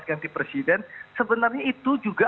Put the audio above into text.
ganti presiden sebenarnya itu juga